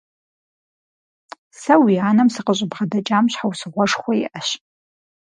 Сэ уи анэм сыкъыщӀыбгъэдэкӀам щхьэусыгъуэшхуэ иӀэщ.